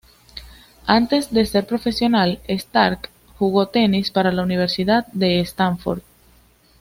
Antes de ser profesional, Stark jugó tenis para la Universidad de Stanford.